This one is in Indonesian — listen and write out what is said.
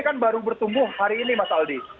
kan baru bertumbuh hari ini mas aldi